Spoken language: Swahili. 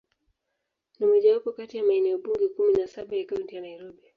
Ni mojawapo kati ya maeneo bunge kumi na saba ya Kaunti ya Nairobi.